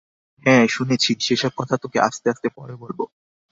হাঁ শুনেছি, সে-সব কথা তোকে আস্তে আস্তে পরে বলব।